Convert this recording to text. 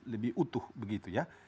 lebih utuh begitu ya